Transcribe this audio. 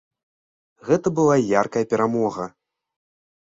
Гэта была яркая перамога.